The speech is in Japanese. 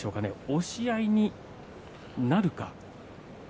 押し合いになるか。